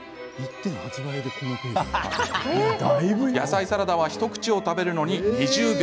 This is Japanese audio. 野菜サラダは一口を食べるのに２０秒。